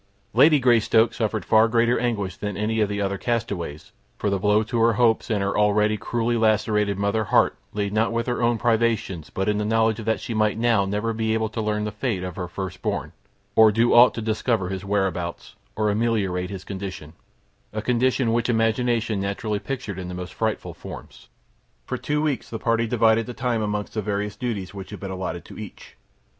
Lady Greystoke suffered far greater anguish than any other of the castaways, for the blow to her hopes and her already cruelly lacerated mother heart lay not in her own privations but in the knowledge that she might now never be able to learn the fate of her first born or do aught to discover his whereabouts, or ameliorate his condition—a condition which imagination naturally pictured in the most frightful forms. For two weeks the party divided the time amongst the various duties which had been allotted to each.